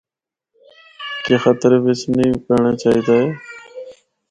کہ خطرہ بچ نیں پینڑاں چاہی دا اے۔